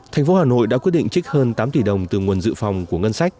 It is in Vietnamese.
thành phố hà nội đã quyết định trích hơn tám tỷ đồng từ nguồn dự phòng